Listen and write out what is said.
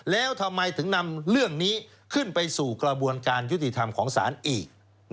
แล้วทำไมถึงนำเรื่องนี้ขึ้นไปสู่กระบวนการยุติธรรมของศาลอีก